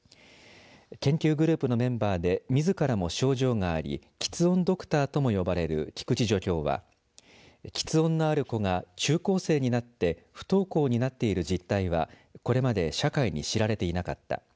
研究グループのメンバーでみずからも症状がありきつ音ドクターとも呼ばれる菊池助教はきつ音のある子が中高生になって不登校になっている実態はこれまで社会に知られていなかった。